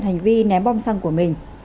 hành vi ném bom xăng của mình